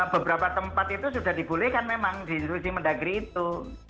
beberapa tempat itu sudah diboleh kan memang di inm mendagri itu